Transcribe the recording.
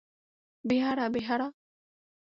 বেহারা, বেহারা!